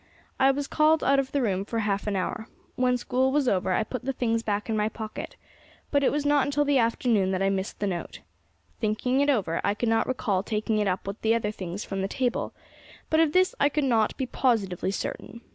I was called out of the room for half an hour. When school was over I put the things back in my pocket, but it was not until the afternoon that I missed the note. Thinking it over, I could not recall taking it up with the other things from the table; but of this I could not be positively certain.